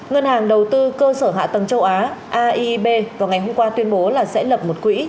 ngân hàng đầu tư cơ sở hạ tầng châu á aib vào ngày hôm qua tuyên bố là sẽ lập một quỹ